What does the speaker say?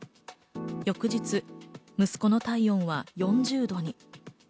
翌日、息子の体温は４０度に。